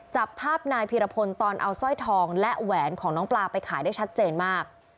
จับภาพนายพีรพลตอนเอาสร้อยทองและแหวนของน้องปลาไปขายได้ชัดเจนมาก